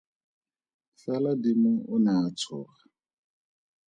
Fela dimo o ne a tsoga!